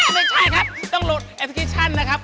ไม่ใช่ครับต้องโหลดแอปพลิเคชันนะครับ